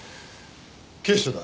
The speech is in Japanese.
警視庁だ。